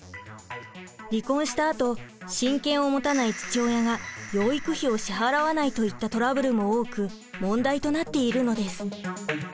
離婚したあと親権を持たない父親が養育費を支払わないといったトラブルも多く問題となっているのです。